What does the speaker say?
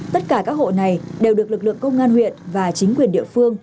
tất cả các hộ này đều được lực lượng công an huyện và chính quyền địa phương